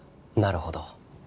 なるほど。